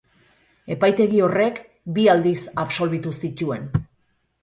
Epaitegi horrek bi aldiz absolbitu zituen.